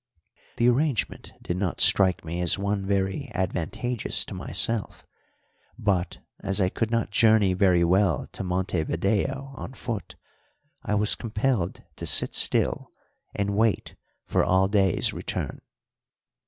The arrangement did not strike me as one very advantageous to myself, but, as I could not journey very well to Montevideo on foot, I was compelled to sit still and wait for Alday's return.